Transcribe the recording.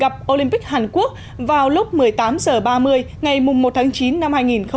gặp olympic hàn quốc vào lúc một mươi tám h ba mươi ngày một tháng chín năm hai nghìn hai mươi